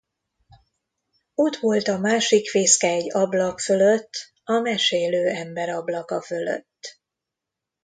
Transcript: Ott volt a másik fészke egy ablak fölött, a mesélő ember ablaka fölött.